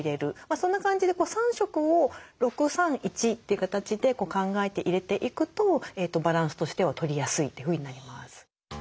そんな感じで３色を６３１って形で考えて入れていくとバランスとしては取りやすいというふうになります。